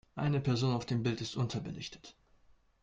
Eine Person auf dem Bild ist unterbelichtet.